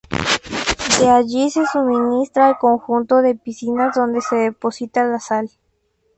De allí se suministra al conjunto de piscinas donde se deposita la sal.